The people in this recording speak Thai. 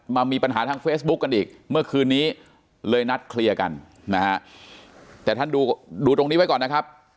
มีปัญหาทางเฟซบุ๊คกันอีกเมื่อคืนนี้เลยนัดเคลียร์กันนะฮะแต่ท่านดูดูตรงนี้ไว้ก่อนนะครับ